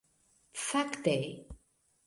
Fakte.